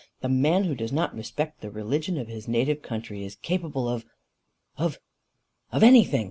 The man who does not respect the religion of his native country is capable of of of ANYTHING.